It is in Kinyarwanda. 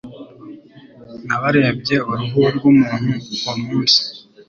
Nabarebye uruhu rwumuntu uwo munsi.